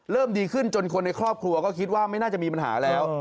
ดีขึ้นจนคนในครอบครัวก็คิดว่าไม่น่าจะมีปัญหาแล้ว